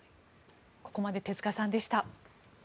ここまで手塚さんでした。